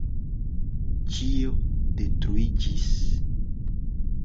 Ĉio detruiĝis.